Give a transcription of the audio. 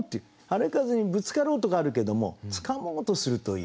春風にぶつかろうとかあるけどもつかもうとするという。